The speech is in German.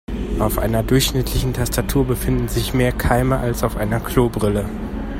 Auf einer durchschnittlichen Tastatur befinden sich mehr Keime als auf einer Klobrille.